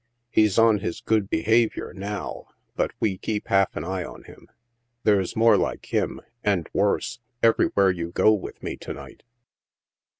He's on his good behavior, now, bat we keep half an eye on him. There's more like him — and worse — everywhere you go with me to night."